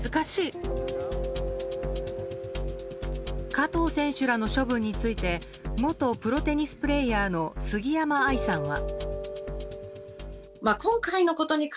加藤選手らの処分について元プロテニスプレーヤーの杉山愛さんは。